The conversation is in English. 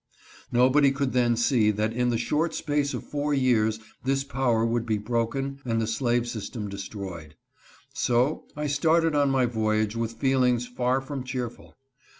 Nobody could then see that in the short space of four years this power would be broken and the slave system destroyed. So I started on my voyage with feelings far from cheerful.